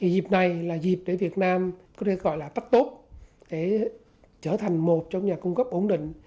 dịp này là dịp để việt nam có thể gọi là tắt tốt để trở thành một trong nhà cung cấp ổn định